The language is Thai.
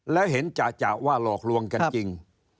แล้วเห็นจ่ะว่าหลอกลวงกันจริง